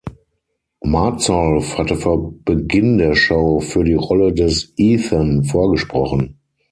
Martsolf hatte vor Beginn der Show für die Rolle des Ethan vorgesprochen.